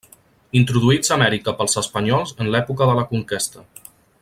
Introduïts a Amèrica pels espanyols en l'època de la conquesta.